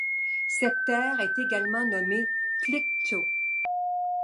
Cette terre est également nommée Tlicho.